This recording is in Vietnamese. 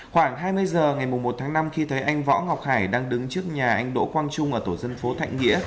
khoảng hai mươi giờ ngày một tháng năm khi thấy anh võ ngọc hải đang đứng trước nhà anh đỗ quang trung ở tổ dân phố thạnh nghĩa